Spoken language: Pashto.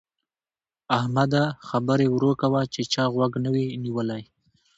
احمده! خبرې ورو کوه چې چا غوږ نه وي نيولی.